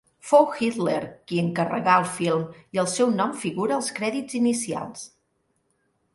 Fou Hitler qui encarregà el film i el seu nom figura als crèdits inicials.